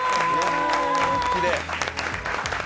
きれい。